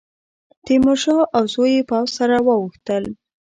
تیمورشاه او زوی یې پوځ سره واوښتل.